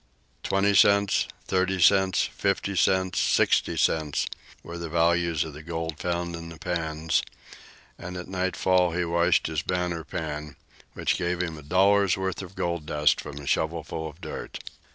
Twenty cents, thirty cents, fifty cents, sixty cents, were the values of the gold found in the pans, and at nightfall he washed his banner pan, which gave him a dollar's worth of gold dust from a shovelful of dirt.